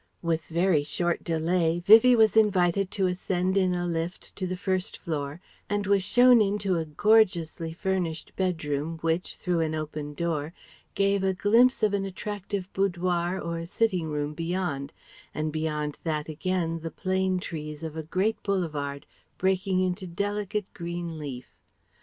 With very short delay, Vivie was invited to ascend in a lift to the first floor and was shown in to a gorgeously furnished bedroom which, through an open door, gave a glimpse of an attractive boudoir or sitting room beyond, and beyond that again the plane trees of a great boulevard breaking into delicate green leaf.